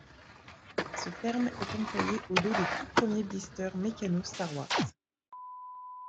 Ce terme est employé au dos des tout premiers blisters Meccano Star Wars.